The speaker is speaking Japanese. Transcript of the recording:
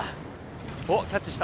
おっキャッチした。